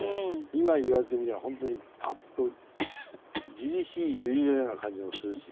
今言われてみればホントにパッとりりしいユリのような感じもするし。